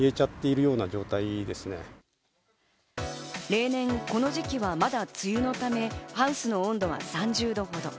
例年、この時期はまだ梅雨のため、ハウスの温度は３０度ほど。